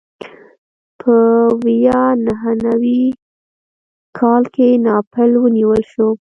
په ویا نهه نوي کال کې ناپل ونیول شو.